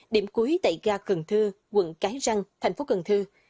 điểm cuối tại gà cần thơ quận cái răng tp cần thơ